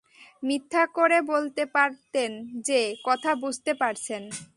মিথ্যা করে বলতে পারতেন যে, কথা বুঝতে পারছেন।